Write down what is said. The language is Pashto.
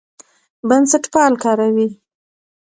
بنسټپال کاروي.